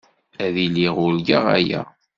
Ad iliɣ urgaɣ aya.